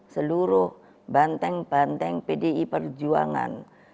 seluruh banteng banteng pdi perjuangan